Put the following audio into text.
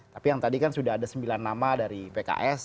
tapi yang tadi kan sudah ada sembilan nama dari pks